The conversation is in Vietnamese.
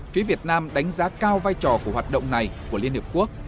phía việt nam đánh giá cao vai trò của hoạt động này của liên hiệp quốc